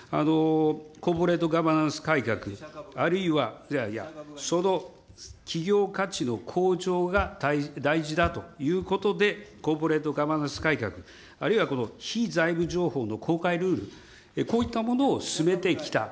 コーポレート・ガバナンス改革、あるいは、いやいや、その企業価値の向上が大事だということで、コーポレート・ガバナンス改革、あるいはこの非財務情報の公開ルール、こういったものを進めてきた。